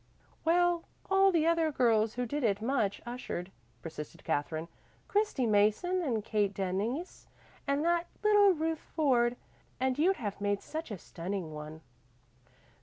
"Well, all the other girls who did it much ushered," persisted Katherine. "Christy Mason and Kate Denise and that little Ruth Ford. And you'd have made such a stunning one."